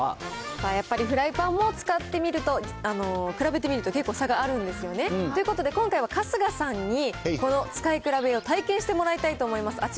やっぱりフライパンも使ってみると、比べて見ると結構差があるんですよね。ということで今回は春日さんにこの使い比べを体験してもらいたいと思います。